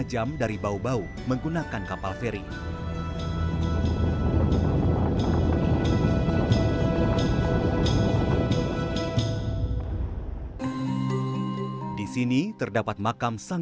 dan juga untuk menolak semua malapetaka yang datang